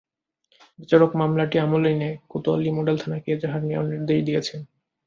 বিচারক মামলাটি আমলে নিয়ে কোতোয়ালি মডেল থানাকে এজাহার নেওয়ার নির্দেশ দিয়েছেন।